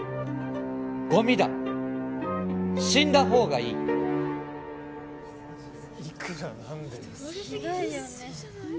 ゴミだ死んだ方がいいいくら何でも言いすぎじゃない？